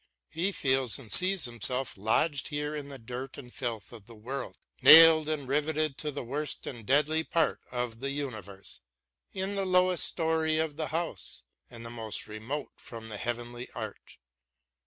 He feels and sees himself lodged here in the dirt and filth of the world, nailed and riveted to the worst and deadest part of the universe, in the lowest story of the house, and most remote from the heavenly arch